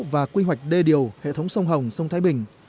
và quy hoạch đê điều hệ thống sông hồng sông thái bình